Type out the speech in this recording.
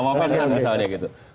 wamenhan misalnya gitu